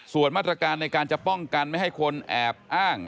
ส่วนมาตรการในการจะป้องกันไม่ให้คนแอบอ้าง